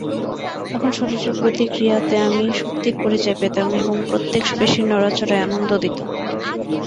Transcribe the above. তখন শরীরের প্রতি ক্রিয়াতে আমি শক্তির পরিচয় পেতাম এবং প্রত্যেক পেশীর নড়াচড়াই আনন্দ দিত।